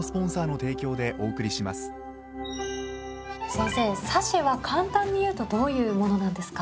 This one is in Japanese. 先生サシェは簡単にいうとどういうものなんですか？